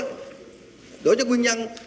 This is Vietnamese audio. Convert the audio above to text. nguyên nhân khách quan không